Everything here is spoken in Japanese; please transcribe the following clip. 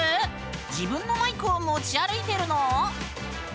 自分のマイクを持ち歩いてるの？